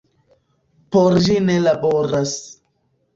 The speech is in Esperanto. Por ĝi ni laboras.